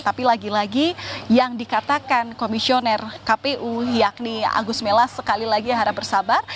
tapi lagi lagi yang dikatakan komisioner kpu yakni agus melas sekali lagi harap bersabar